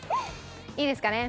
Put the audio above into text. いいですかね？